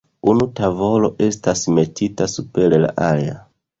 Unu tavolo estas metita super la alia.